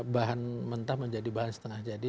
bahan mentah menjadi bahan setengah jadi